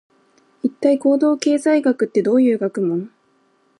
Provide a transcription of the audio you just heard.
一体、行動経済学ってどういう学問？